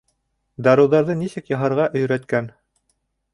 Дарыуҙарҙы нисек яһарға өйрәткән!